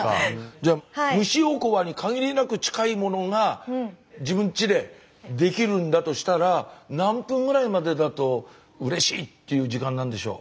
じゃあ蒸しおこわに限りなく近いものが自分ちでできるんだとしたら何分ぐらいまでだとうれしい！っていう時間なんでしょう？